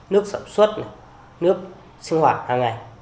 nước sản xuất nước sinh hoạt hàng ngày